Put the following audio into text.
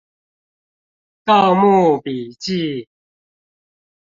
盜墓筆記